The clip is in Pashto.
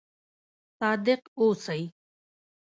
صادق اوسئ